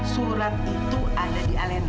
surat itu ada di alena